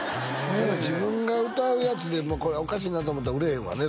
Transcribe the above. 自分が歌うやつでこれおかしいなと思ったら売れへんわね